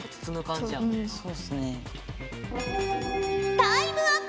タイムアップ